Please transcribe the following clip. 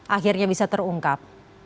akhirnya bisa terungkap